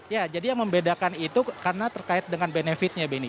ya jadi yang membedakan itu karena terkait dengan benefit nya benny